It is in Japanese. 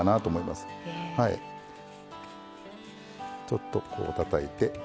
ちょっとこうたたいて。